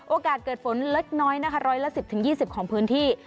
โอกาสเกิดฝนเล็กน้อยนะคะร้อยละ๑๐๒๐ของพื้นที่